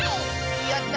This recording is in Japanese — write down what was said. やった！